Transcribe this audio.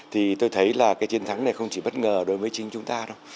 thì tôi thấy là cái chiến thắng này không chỉ bất ngờ đối với chính chúng ta đâu